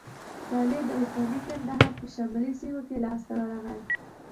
صالح د اوسني کندهار په شمالي سیمو کې لاسته ورغی.